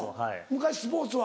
昔スポーツは？